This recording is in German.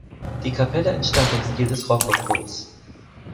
Die Kapelle entstand im Stil des Rokokos.